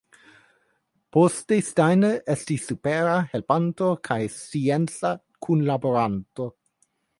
Poste Steiner estis supera helpanto kaj scienca kunlaboranto.